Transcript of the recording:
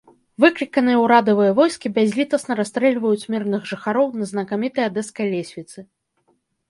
Выкліканыя ўрадавыя войскі бязлітасна расстрэльваюць мірных жыхароў на знакамітай адэскай лесвіцы.